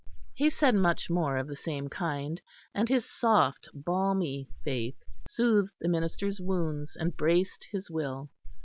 He said much more of the same kind; and his soft balmy faith soothed the minister's wounds, and braced his will.